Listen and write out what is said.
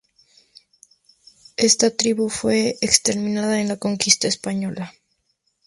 Esta tribu fue exterminada en la conquista española.